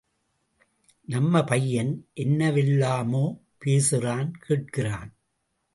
நம்ப பையன் என்னவெல்லாமோ பேசறான் கேட்கிறான்.